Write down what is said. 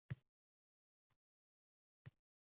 Feodalizmga... feodalizmga qaytmoqchimi?